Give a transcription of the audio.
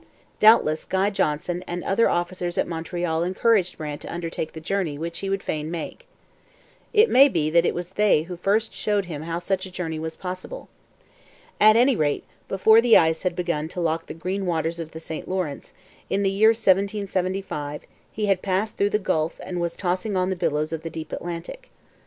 Doubtless Guy Johnson and other officers at Montreal encouraged Brant to undertake the journey which he fain would make. It may be that it was they who first showed him how such a journey was possible. At any rate, before the ice had begun to lock the green waters of the St Lawrence, in the year 1775, he had passed through the Gulf and was tossing on the billows of the deep Atlantic.